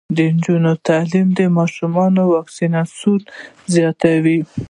د نجونو تعلیم د ماشومانو واکسیناسیون زیاتوي.